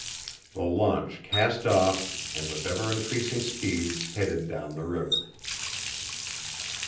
The launch cast off and with ever increasing speed headed down the river.